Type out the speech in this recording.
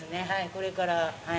これから。